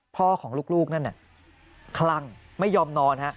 พ่อของลูกนั่นน่ะคลั่งไม่ยอมนอนฮะ